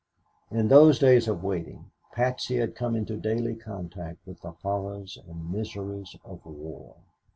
In those days of waiting, Patsy had come into daily contact with the horrors and miseries of war.